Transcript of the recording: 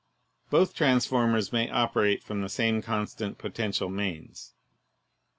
Both transformers may operate from the same constant potential mains.